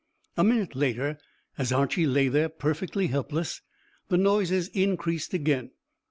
A minute later, as Archy lay there perfectly helpless, the noises increased again.